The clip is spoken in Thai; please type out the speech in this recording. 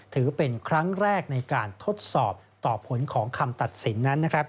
ถือเป็นครั้งแรกในการทดสอบต่อผลของคำตัดสินนั้น